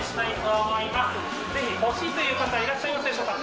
ぜひ欲しいという方いらっしゃいますでしょうか？